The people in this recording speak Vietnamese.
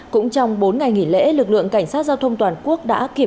cũng trong bốn ngày nghỉ lễ lực lượng cảnh sát giao thông toàn quốc